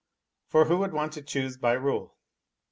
For who would want to choose by rule